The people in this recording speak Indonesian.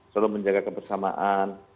selalu menjaga kebersamaan